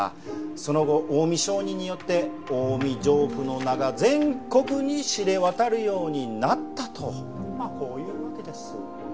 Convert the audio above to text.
その後近江商人によって近江上布の名が全国に知れ渡るようになったとまあこういうわけです。